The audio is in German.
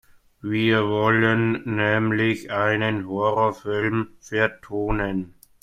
Wir wollen nämlich einen Horrorfilm vertonen.